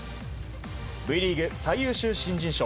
Ｖリーグ最優秀新人賞